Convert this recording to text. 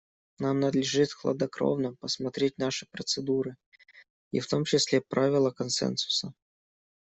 Нам надлежит хладнокровно посмотреть наши процедуры, и в том числе правило консенсуса.